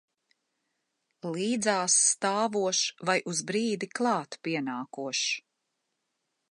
Līdzās stāvošs vai uz brīdi klāt pienākošs.